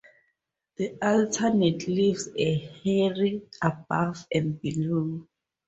The alternate leaves are hairy above and below.